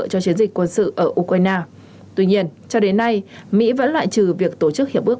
cho chiến dịch quân sự ở ukraine tuy nhiên cho đến nay mỹ vẫn loại trừ việc tổ chức hiệp ước